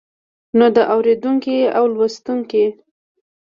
نو د اوريدونکي او لوستونکي